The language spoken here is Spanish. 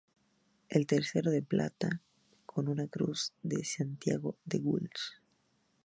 El tercero, de plata, con una cruz de Santiago de Gules.